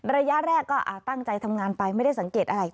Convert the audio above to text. ระยะแรกก็ตั้งใจทำงานไปไม่ได้สังเกตอะไร